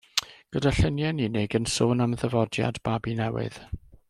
Gyda lluniau'n unig, yn sôn am ddyfodiad babi newydd.